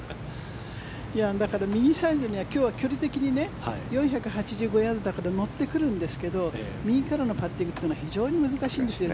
だから右サイドには今日は距離的に４８５ヤードだから乗ってくるんですけど右からのパッティングというのは非常に難しいんですよ